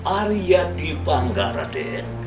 ariyandi pangga raden